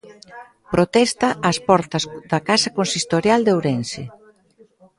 Protesta ás portas da Casa Consistorial de Ourense.